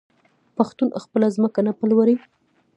پښتون خپله ځمکه نه پلوري.